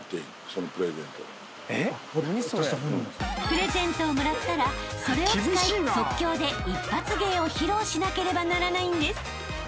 ［プレゼントをもらったらそれを使い即興で一発芸を披露しなければならないんです］